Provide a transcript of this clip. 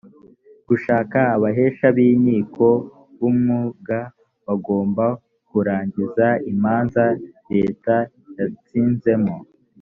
gushaka abahesha b inkiko b umwuga bagomba kurangiza imanza leta yatsinzemo